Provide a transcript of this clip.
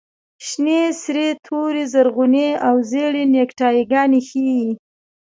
شنې، سرې، تورې، زرغونې او زېړې نیکټایي ګانې ښیي.